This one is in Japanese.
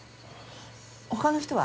他の人は？